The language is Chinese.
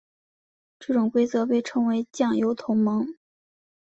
这种规则被称为酱油同盟。